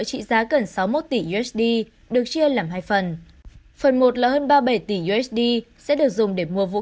trị giá gần sáu mươi một tỷ usd được chia làm hai phần phần một là hơn ba mươi bảy tỷ usd sẽ được dùng để mua vũ